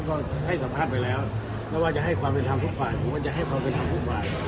ผมจะให้พบกับทักฟูกภาย